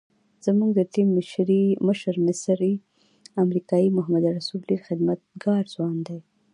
زموږ د ټیم مشر مصری امریکایي محمد رسول ډېر خدمتګار ځوان دی.